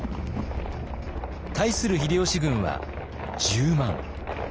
対する秀吉軍は１０万。